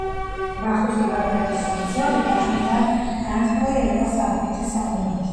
ვახუშტი ბაგრატიონის ცნობით, ახმეტა განთქმული იყო საუკეთესო ღვინით.